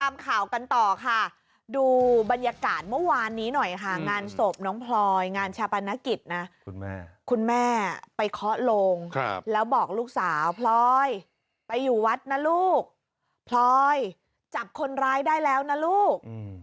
ตามข่าวกันต่อค่ะดูบรรยากาศเมื่อวานนี้หน่อยค่ะงานศพน้องพลอยงานชาปนกิจนะคุณแม่คุณแม่ไปเคาะโลงแล้วบอกลูกสาวพลอยไปอยู่วัดนะลูกพลอยจับคนร้ายได้แล้วนะลูก